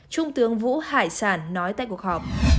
trung tướng vũ hải sản nói tại cuộc họp